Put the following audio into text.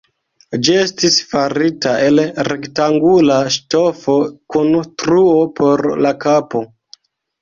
Ĝi estis farita el rektangula ŝtofo kun truo por la kapo.